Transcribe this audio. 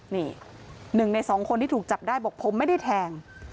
นี่หนึ่งในสองคนที่ถูกจับได้บอกผมไม่ได้แทง